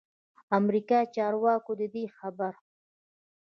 امریکايي چارواکو ددې خبر